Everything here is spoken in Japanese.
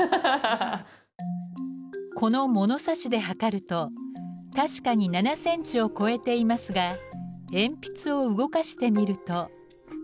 この物差しで測ると確かに７センチを超えていますが鉛筆を動かしてみると。